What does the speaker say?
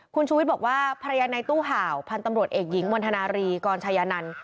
คุณชูวิทย์บอกว่าพยานในตู้เห่าพันธมรวจเอกหญิงวันธนารีกรณ์ชายยะนัน